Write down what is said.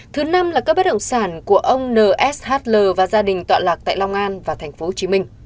thứ năm là các bất động sản của ông n s h l và gia đình tọa lạc tại long an và tp hcm